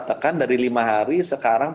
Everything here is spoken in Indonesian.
tekan dari lima hari sekarang